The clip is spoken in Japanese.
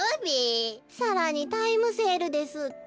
さらにタイムセールですって。